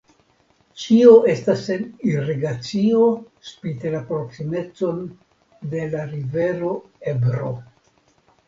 Ĉio estas sen irigacio spite la proksimecon de la rivero Ebro.